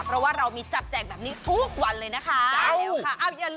เพราะว่าเรามีจับแจกแบบนี้ทุกวันเลยนะคะ